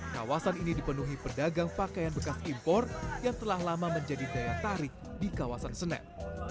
kawasan ini dipenuhi pedagang pakaian bekas impor yang telah lama menjadi daya tarik di kawasan senen